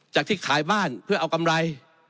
ที่ขายบ้านเพื่อเอากำไร